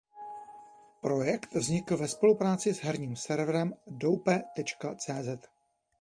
Projekt vznikl ve spolupráci s herním serverem Doupe.cz.